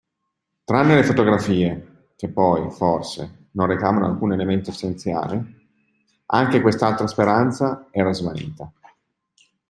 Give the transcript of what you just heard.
Tranne le fotografie – che poi, forse, non recavano alcun elemento essenziale – anche quest'altra speranza era svanita.